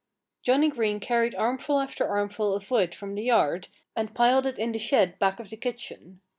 Johnnie Green carried armful after armful of wood from the yard and piled it in the shed back of the kitchen.